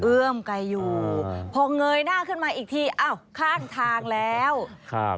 เอื้อมไกลอยู่พอเงยหน้าขึ้นมาอีกทีอ้าวข้างทางแล้วครับ